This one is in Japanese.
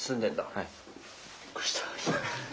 はい。